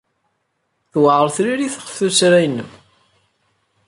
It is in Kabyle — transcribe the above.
Tewɛeṛ tririt ɣef tuttra-nnem.